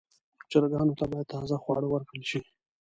چرګانو ته باید تازه خواړه ورکړل شي.